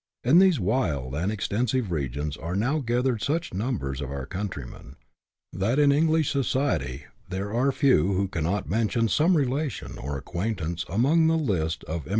In these wild and extensive regions are now gathered such numbers of our countrymen, that in English society there are few who cannot mention some relation or acquaintance among the list of emi b2 4 " BUSH LIFE IN AUSTRALIA. [introd.